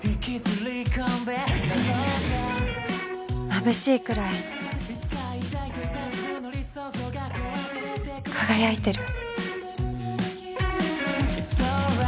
まぶしいくらい輝いてる